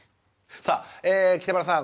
さあ北村さん